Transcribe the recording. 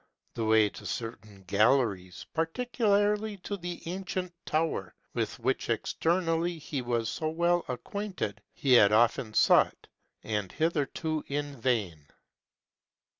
The way to certain galleries, particularly to the ancient tower, with which externally he was so well acquainted, he had often sought, and hitherto in vain.